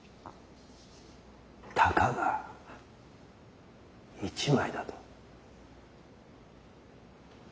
たかが１枚だと？